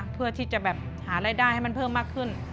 เพื่อที่จะแบบหารายได้ให้มันเพิ่มมากขึ้น